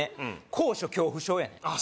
高所恐怖症やねんあっ